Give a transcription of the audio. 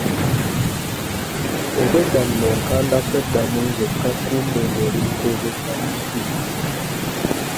Obwedda nno nkanda kweddamu nzekka kumbe ng'oli mu kwogerera ku ssimu.